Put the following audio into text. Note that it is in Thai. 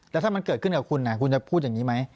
แล้วถ้ามันเกิดขึ้นกับคุณคุณจะพูดอย่างนี้ไหม